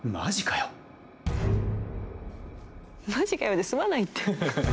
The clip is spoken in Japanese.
「マジかよ」で済まないって。